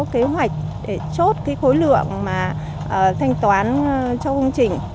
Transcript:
kế hoạch để chốt khối lượng thanh toán cho công trình